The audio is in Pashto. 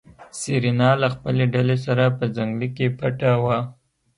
سېرېنا له خپلې ډلې سره په ځنګله کې پټه وه.